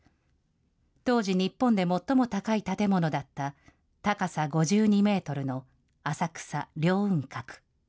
当時、日本で最も高い建物だった、高さ５２メートルの浅草・凌雲閣。